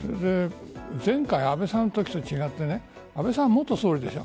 前回、安倍さんのときと違って安倍さんは元総理でしょ。